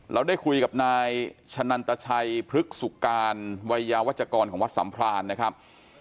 เราได้คุยกับนายชะนันตชัยพฤกษุการวัยยาวัชกรของวัดสัมพรานนะครับ